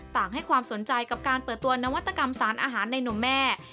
ให้ความสนใจกับการเปิดตัวนวัตกรรมสารอาหารในนมแม่